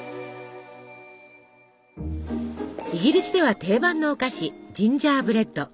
イギリスでは定番のお菓子ジンジャーブレッド。